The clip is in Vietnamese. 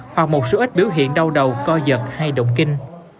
hoặc một số ít biểu hiện đau đầu co giật hay động kinh